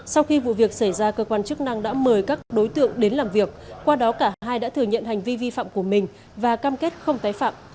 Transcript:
sau khi vụ việc xảy ra cơ quan chức năng đã mời các đối tượng đến làm việc qua đó cả hai đã thừa nhận hành vi vi phạm của mình và cam kết không tái phạm